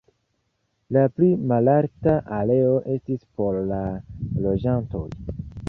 La pli malalta areo estis por la loĝantoj.